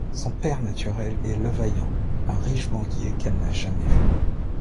Son père naturel est Levaillant, un riche banquier qu'elle n'a jamais vu.